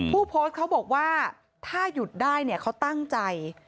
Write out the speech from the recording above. ผู้โพสต์เขาบอกว่าถ้าหยุดได้เนี่ยเขาตั้งใจ